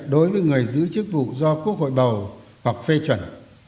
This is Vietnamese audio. đối với người giữ chức vụ do quốc hội bầu hoặc phê chuẩn